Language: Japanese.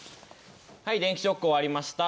はい電気ショック終わりました。